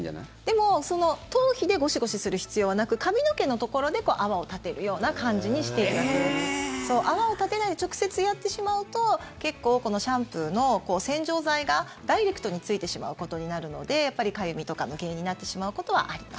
でも頭皮でゴシゴシする必要はなく髪の毛のところで泡を立てるような感じにしていただく泡を立てないで直接やってしまうと結構このシャンプーの洗浄剤がダイレクトについてしまうことになるのでやっぱりかゆみとか抜け毛になってしまうことはあります。